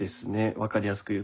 分かりやすく言うと。